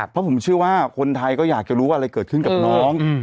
เพราะผมเชื่อว่าคนไทยก็อยากจะรู้อะไรเกิดขึ้นกับน้อง